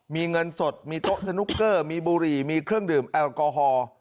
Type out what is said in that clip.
มีเงินสดมีโต๊ะสนุกเกอร์มีบุหรี่มีเครื่องดื่มแอลกอฮอล์